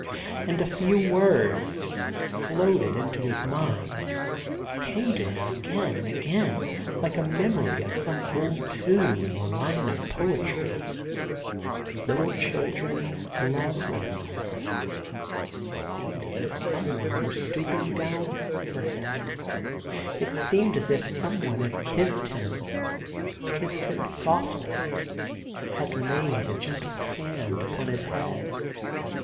. And a few words floated into his mind, came to him again and again, like a memory of some old tune, or line of poetry :* Little children, love one another ...' It seemed as if some one were stooping down over him, it seemed as if some one had kissed him, kissed him softly, had laid a gentle hand upon his head.